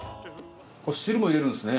これ汁も入れるんですね？